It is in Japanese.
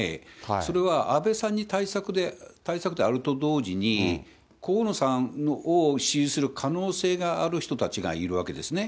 それは安倍さんに対策であると同時に、河野さんを支持する可能性がある人たちがいるわけですね。